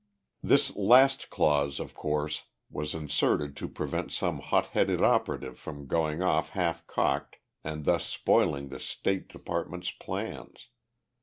This last clause, of course, was inserted to prevent some hot headed operative from going off half cocked and thus spoiling the State Department's plans.